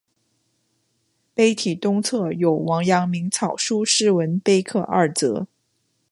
碑体东侧有王阳明草书诗文碑刻二则。